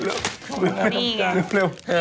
เร็วเร็วเร็ว